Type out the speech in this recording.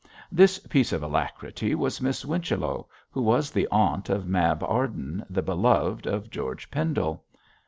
This piece of alacrity was Miss Whichello, who was the aunt of Mab Arden, the beloved of George Pendle.